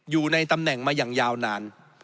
อยู่ในตำแหน่งมาอย่างยาวนาน